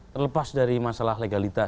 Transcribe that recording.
terlepas dari masalah legalitas